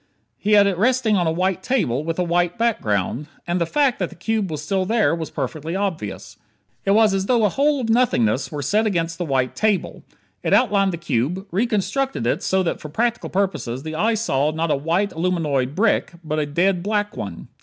He had it resting on a white table, with a white background. And the fact that the cube was still there, was perfectly obvious. It was as though a hole of nothingness were set against the white table. It outlined the cube; reconstructed it so that for practical purposes the eye saw not a white, aluminoid brick, but a dead black one.